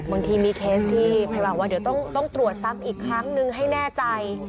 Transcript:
บางทีมีเคสที่พยาบาลว่าเดี๋ยวต้องตรวจซ้ำอีกครั้งนึงให้แน่ใจ